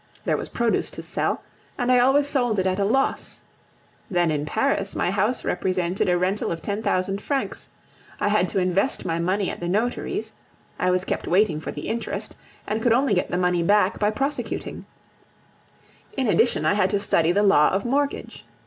There was produce to sell, and I always sold it at a loss. Then, in Paris, my house represented a rental of ten thousand francs; I had to invest my money at the notaries; I was kept waiting for the interest, and could only get the money back by prosecuting; in addition I had to study the law of mortgage.